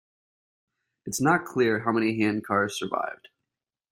It is not clear how many handcars survived.